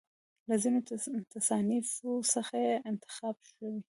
له ځینو تصانیفو څخه یې انتخاب شوی.